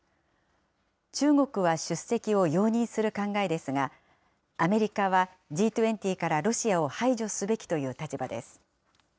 中国は出席を容認する考えですが、アメリカはＧ２０からロシアを排除すべきという立場です。